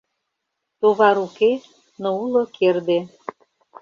Товар уке, но уло керде.